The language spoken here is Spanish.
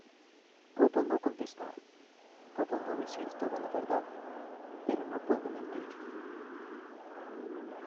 Puedo no contestar, puedo no decir toda la verdad, pero no puedo mentir".